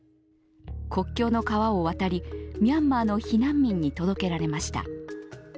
国境の川を渡りミャンマーの避難民に届けられました。